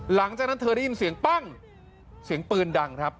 หลังจากนั้นเธอได้ยินเสียงปั้งเสียงปืนดังครับ